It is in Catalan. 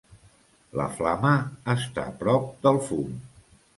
La flama està prop del fum.